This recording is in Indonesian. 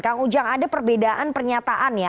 kang ujang ada perbedaan pernyataan ya